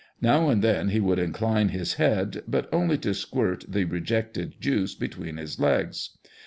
Now and then he would incline his head, but only to squirt the rejected juice between his legs.